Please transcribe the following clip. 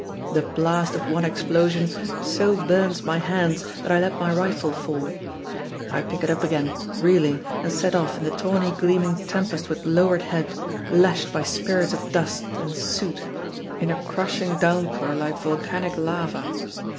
The blast of one explosion so burns my hands that I let my rifle fall. I pick it up again, reeling, and set off in the tawny gleaming tempest with lowered head, lashed by spirits of dust and soot in a crushing downpour like volcanic lava.